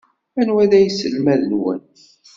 Anwa ay d aselmad-nwen?